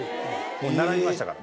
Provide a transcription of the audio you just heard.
もう並びましたから。